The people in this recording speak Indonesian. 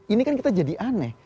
ini kan kita jadi aneh